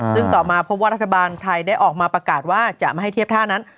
ซึ่งต่อมาพบว่ารัฐบาลไทยได้ออกมาประกาศว่าจะไม่ให้เทียบท่านั้น